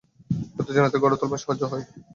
এই উত্তেজনাতেই গড়ে তোলবার সাহায্য হয়।